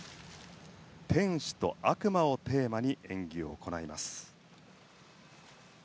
天使と悪魔をテーマに演技を行います。